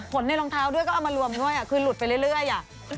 ในรองเท้าด้วยก็เอามารวมด้วยคือหลุดไปเรื่อยอ่ะ